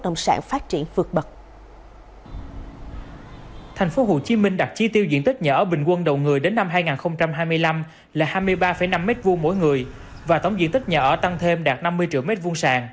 tổng diện tích xây dựng của tp hcm đến năm hai nghìn hai mươi năm là hai mươi ba năm m hai mỗi người và tổng diện tích nhà ở tăng thêm đạt năm mươi triệu m hai